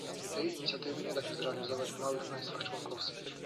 Tej inicjatywy nie da się zrealizować w małych państwach członkowskich